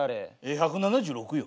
１７６よ。